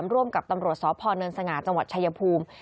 ร่วมกับตำรวจสพเนินสง่าจังหวัดชายภูมิ